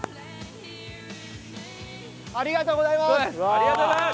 ありがとうございます！